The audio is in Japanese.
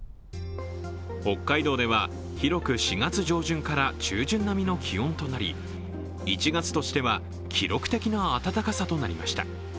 北海道では広く４月上旬から中旬並みの気温となり１月としては記録的な暖かさとなりました。